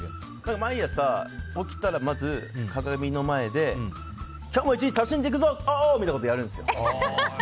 毎朝起きたら、まず鏡の前で今日も１日楽しんでいくぞ、オー！みたいなことをやるんですよ。